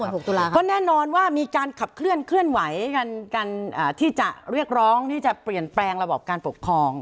ก็แน่นอนว่ามีการขับเคลื่อนเคลื่อนไหวกันการที่จะเรียกร้องที่จะเปลี่ยนแปลงระบบการปกครอง